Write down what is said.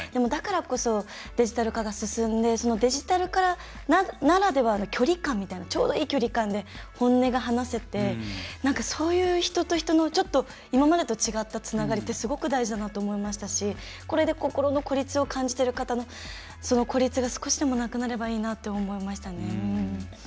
だからこそ、デジタル化が進んでデジタル化ならではの距離感みたいなちょうどいい距離感で本音が話せて、そういう人と人の今までと違ったつながりってすごく大事だなと思いましたしこれで心の孤立を感じてる方のその孤立が少しでもなくなればいいなと思いましたね。